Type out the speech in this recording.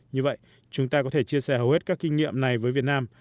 như vậy chúng ta có thể chia sẻ hầu hết các kinh nghiệm này với việt nam